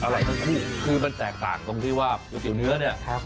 อร่อยจริงคือมันแตกต่างตรงที่ว่ากุ๋ยเตี๋ยวเนื้อเนี่ย